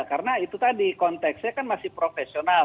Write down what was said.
karena itu tadi konteksnya kan masih profesional